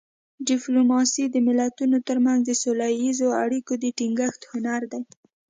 ډیپلوماسي د ملتونو ترمنځ د سوله اییزو اړیکو د ټینګښت هنر دی